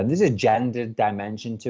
ini adalah dimensi gender